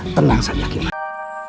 tenang saja ki bahadur